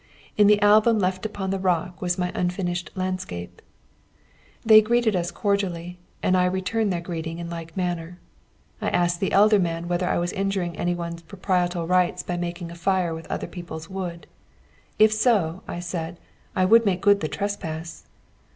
In the album left upon the rock was my unfinished landscape. They greeted us cordially, and I returned their greeting in like manner. I asked the elder man whether I was injuring any one's proprietorial rights by making a fire with other people's wood. If so, I said, I would make good the trespass.